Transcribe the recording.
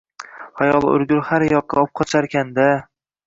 Xayol o`lgur har yoqqa opqocharkan-da